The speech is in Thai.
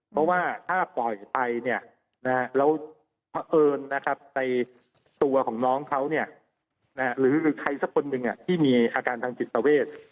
เพราะว่าถ้าปล่อยไปเนี่ยอยู่ในตัวของน้องเขาเนี่ยหรือใครซะคนหนึ่งที่มีอาการทางจิตเผช